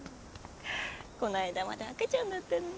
こないだまで赤ちゃんだったのに。